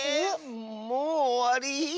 もうおわり？